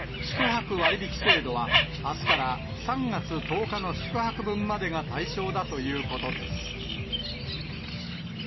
宿泊割引制度は、あすから３月１０日の宿泊分までが対象だということです。